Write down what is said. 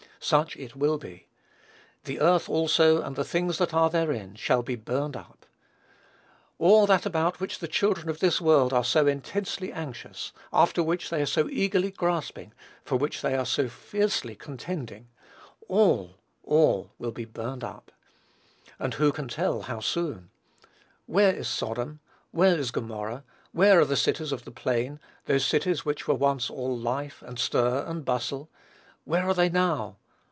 Such it will be. "The earth also, and the things that are therein, shall be burned up." All that about which the children of this world are so intensely anxious after which they are so eagerly grasping for which they are so fiercely contending all all will be burned up. And who can tell how soon? "Where is Sodom? Where is Gomorrah? Where are the cities of the plain, those cities which were once all life, and stir, and bustle? Where are they now?